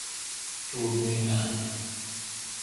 تو اُب مے° این اں؟